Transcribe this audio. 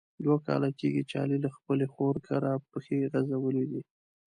دوه کاله کېږي چې علي له خپلې خور کره پښې غزولي دي.